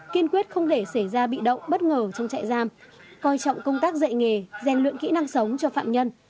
kiên quyết không để xảy ra bị động bất ngờ trong trại giam coi trọng công tác dạy nghề rèn luyện kỹ năng sống cho phạm nhân